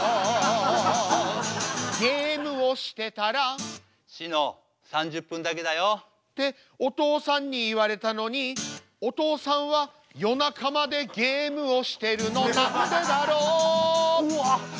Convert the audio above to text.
ゲームをしてたらしの３０分だけだよ。ってお父さんに言われたのにお父さんは夜中までゲームをしてるのなんでだろううわ！